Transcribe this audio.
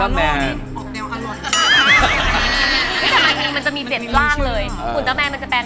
อันที่นี่มีมุทต์แจ่ง